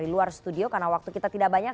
karena waktu kita tidak banyak